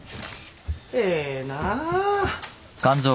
ええなあ。